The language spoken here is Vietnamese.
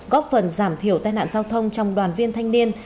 góp phần giảm thiểu tai nạn giao thông trong đoàn viên thanh niên